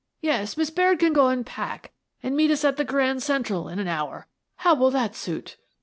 Yes, Miss Baird can go an' pack, an' meet us at the Grand Central in an hour. How'U that suit?"